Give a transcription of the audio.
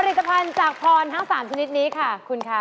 ผลิตภัณฑ์จากพรทั้ง๓ชนิดนี้ค่ะคุณค่ะ